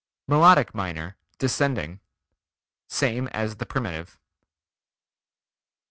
Melodic Minor (descending) Same as the Primitive.